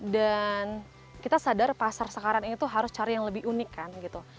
dan kita sadar pasar sekarang ini harus cari yang lebih unik kan